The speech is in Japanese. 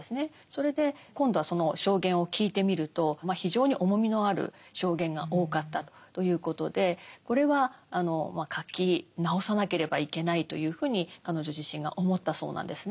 それで今度はその証言を聞いてみると非常に重みのある証言が多かったということでこれは書き直さなければいけないというふうに彼女自身が思ったそうなんですね。